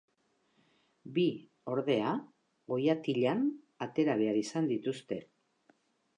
Bi, ordea, oihatilan atera behar izan dituzte.